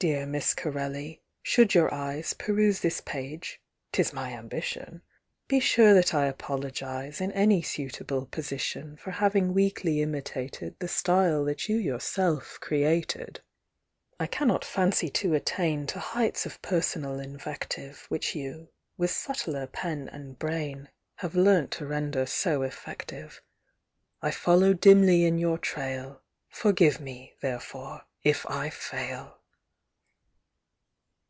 Dear Miss Corelli: Should your eyes Peruse this page (ŌĆÖtis my ambition!), Be sure that I apologize In any suitable position For having weakly imitated The style that you yourself created. I cannot fancy to attain To heights of personal invective Which you, with subtler pen and brain, Have learnt to render so effective; I follow dimly in your trail; Forgive me, therefore, if I fail!